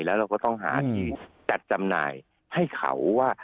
แล้วเราก็ต้องหาที่จัดจำหน่ายให้เขาว่า